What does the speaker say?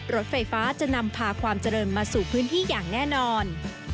รถไฟฟ้าจะนำพาความเจริญมาสู่พื้นที่อย่างแน่นอน